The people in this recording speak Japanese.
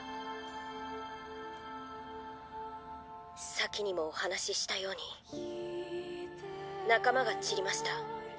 先にもお話ししたように仲間が散りました。